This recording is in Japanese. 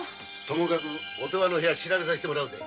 ともかく乙羽の部屋調べさせてもらうぜ。